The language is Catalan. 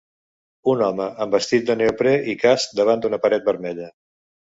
Un home amb vestit de neoprè i casc davant d'una paret vermella.